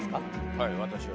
はい私は。